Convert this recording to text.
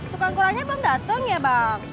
tukang kurangnya belum dateng ya bang